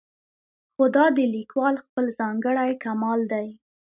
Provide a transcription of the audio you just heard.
خو دا د لیکوال خپل ځانګړی کمال دی.